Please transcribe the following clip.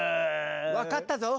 分かったぞ